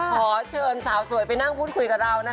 ขอเชิญสาวสวยไปนั่งพูดคุยกับเรานะคะ